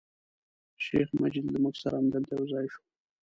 شیخ مجید له موږ سره همدلته یو ځای شو.